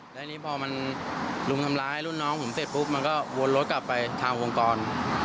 แล้วทีนี้พอมันรุมทำร้ายรุ่นน้องผมเสร็จปุ๊บมันก็วนรถกลับไปทางวงกร